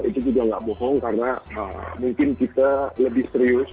itu juga nggak bohong karena mungkin kita lebih serius